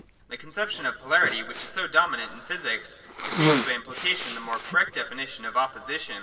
The conception of Polarity, which is so dominant in physics, contains by implication the more correct defini tion of Opposition.